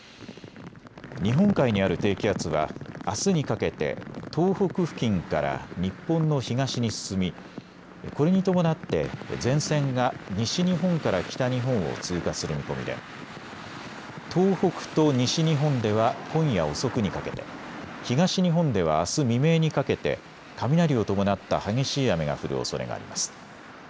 日本海にある低気圧はあすにかけて東北付近から日本の東に進みこれに伴って前線が西日本から北日本を通過する見込みで東北と西日本では今夜遅くにかけて、東日本ではあす未明にかけて雷を伴った激しい雨が降るおそれがあります。